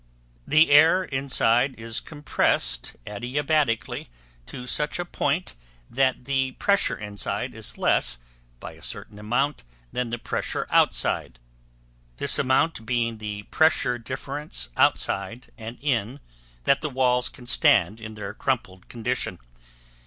The air inside is compressed adiabatically to such a point that the pressure inside is less by a certain amount than the pressure outside, this amount being the pressure difference outside and in that the walls can stand in their crumpled condition.